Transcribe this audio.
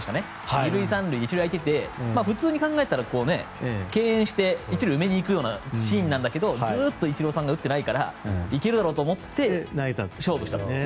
２塁３塁、１塁空いてて普通に考えたら敬遠して１塁を埋めるシーンなんだけどずっとイチローさんが打ってないから行けると思って勝負したと。